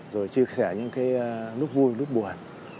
rồi chia sẻ những cái lúc vui lúc buồn